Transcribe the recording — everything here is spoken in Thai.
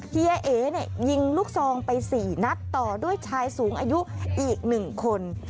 เฮียเอ๋เนี่ยยิงลูกซองไป๔นัดต่อด้วยชายสูงอายุอีก๑คน